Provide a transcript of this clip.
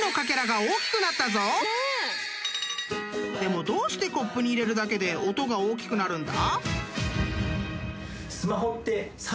［でもどうしてコップに入れるだけで音が大きくなるんだ？］